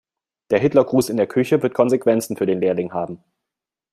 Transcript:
Der Hitlergruß in der Küche wird Konsequenzen für den Lehrling haben.